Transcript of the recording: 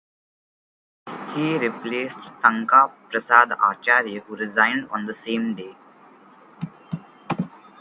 He replaced Tanka Prasad Acharya who had resigned on the same day.